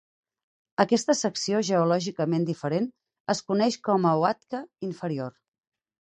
Aquesta secció geològicament diferent, es coneix com a l'Oatka inferior.